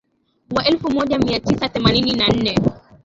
Wa elfu moja mia tisa themanini na nne